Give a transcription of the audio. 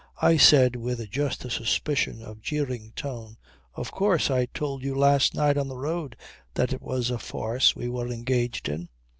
I said with just a suspicion of jeering tone: "Of course. I told you last night on the road that it was a farce we were engaged in."